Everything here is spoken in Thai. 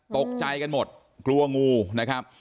ตกใจกันหมดกลัวงูนะครับ